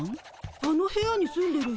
あの部屋に住んでる人